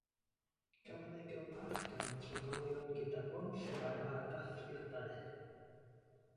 Cafodd ei gyfarch gan y trigolion gyda bonllefau a dathliadau.